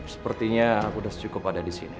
sepertinya aku udah cukup ada disini